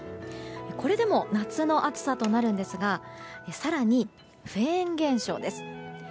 これでも夏の暑さとなるんですが更にフェーン現象です。